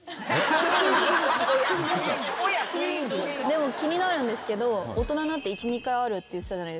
でも気になるんですけど大人になって１２回はあるって言ってたじゃないですか。